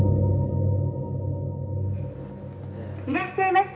「いらっしゃいませ」。